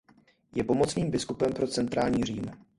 Je pomocným biskupem pro centrální Řím.